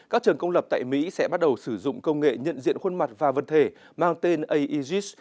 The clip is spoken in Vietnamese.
các trường công lập tại mỹ sẽ bắt đầu sử dụng công nghệ nhận diện khuôn mặt và vật thể mang tên aegis